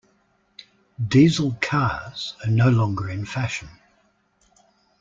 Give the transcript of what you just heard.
Diesel cars are no longer in fashion.